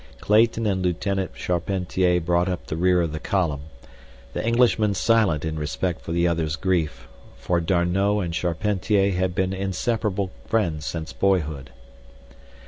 Clayton and Lieutenant Charpentier brought up the rear of the column; the Englishman silent in respect for the other's grief, for D'Arnot and Charpentier had been inseparable friends since boyhood.